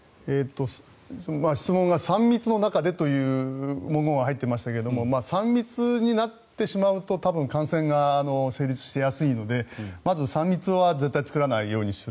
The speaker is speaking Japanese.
質問が、３密の中でという文言が入っていますが３密になってしまうと多分、感染が成立しやすいのでまず、３密は絶対作らないようにする。